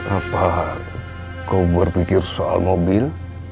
apa kau berpikir soal mobil